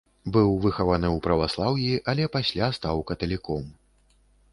Быў выхаваны ў праваслаўі, але пасля стаў каталіком.